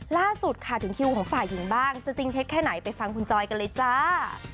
ล่าสุดค่ะถึงคิวของฝ่ายหญิงบ้างจะจริงเท็จแค่ไหนไปฟังคุณจอยกันเลยจ้า